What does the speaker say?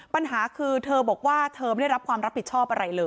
ปัญหาคือเธอบอกว่าเธอไม่ได้รับความรับผิดชอบอะไรเลย